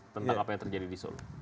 tentang apa yang terjadi di solo